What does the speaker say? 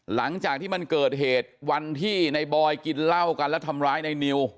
หลังจากที่มันเกิดเหตุวันที่ในบอยกินเหล้ากันแล้วทำร้ายในนิว